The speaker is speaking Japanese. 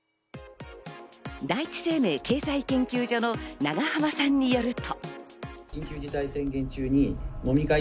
第一生命経済研究所の永濱さんによると。